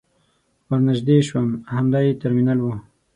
ور نژدې شوم همدا يې ترمینل و.